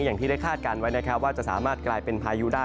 อย่างที่ได้คาดการณ์ไว้นะครับว่าจะสามารถกลายเป็นพายุได้